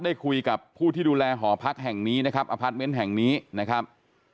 ดีกับผู้ที่ดูแลหอพักแห่งนี้นะครับแห่งนี้นะครับ